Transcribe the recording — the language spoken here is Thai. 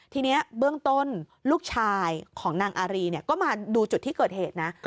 ทีนี้เบื้องต้นลูกชายของนางอารีก็มาดูจุดที่เกิดเหตุนะ